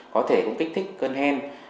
có thể cũng kích thích cơn hen